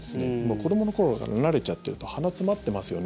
子どもの頃に慣れちゃっていると鼻が詰まってますよね